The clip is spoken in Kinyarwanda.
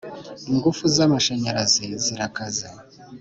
Ingufu zamashanyarazi zirakaze